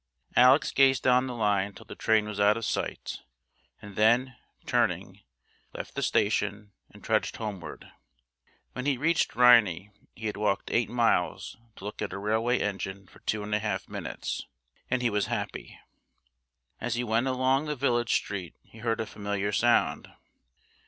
Alec gazed down the line till the train was out of sight and then, turning, left the station and trudged homeward. When he reached Rhynie he had walked eight miles to look at a railway engine for two and a half minutes and he was happy! As he went along the village street he heard a familiar sound.